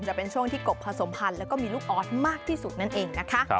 จะเป็นช่วงที่กบผสมพันธ์แล้วก็มีลูกออสมากที่สุดนั่นเองนะคะ